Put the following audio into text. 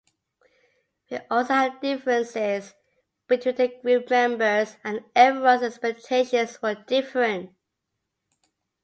We also had our differences between the group members and everyone's expectations were different.